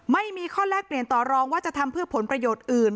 ไม่มีข้อแลกเปลี่ยนต่อรองว่าจะทำเพื่อผลประโยชน์อื่น